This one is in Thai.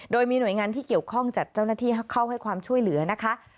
โดยมีหน่วยงานที่เกี่ยวข้องจัดเจ้าหน้าที่เข้าให้ความช่วยเหลือนะคะ